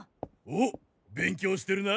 おっ勉強してるな！